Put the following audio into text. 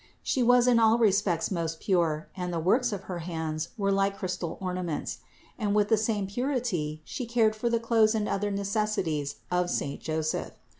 She was in all respects most pure and the works of her hands were like crystal ornaments; and with the same purity She cared for the clothes and other necessities of saint Joseph.